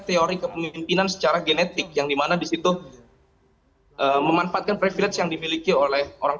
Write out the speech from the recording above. teori kepemimpinan secara genetik yang dimana disitu memanfaatkan privilege yang dimiliki oleh orang